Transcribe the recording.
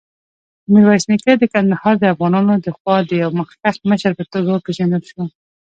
میرویس نیکه د کندهار دافغانانودخوا د یوه مخکښ مشر په توګه وپېژندل شو.